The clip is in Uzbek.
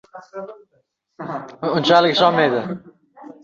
Oʻrta boʻyli bu qiz juda horgʻin edi.